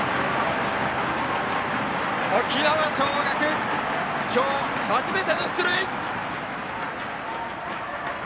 沖縄尚学、今日初めての出塁！